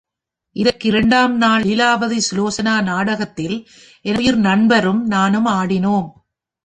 இதற்கு இரண்டாம் நாள் லீலாவதி சுலோசனா நாடகத்தில் எனதுயிர் நண்பரும் நானும் ஆடினோம்.